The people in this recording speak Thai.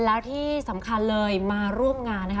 แล้วที่สำคัญเลยมาร่วมงานนะคะ